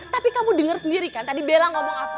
tapi kamu denger sendiri kan tadi bella ngomong aku